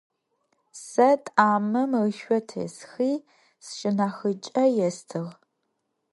Сэ тӏамым ышъо тесхи, сшынахьыкӀэ естыгъ.